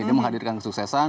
dia menghadirkan kesuksesan